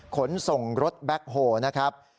ขนส่งรถแบ็คโฮนะครับ